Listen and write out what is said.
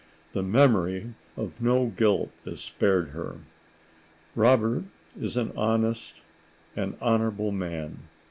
The memory of no guilt is spared her." Robert is an honest, an honorable man.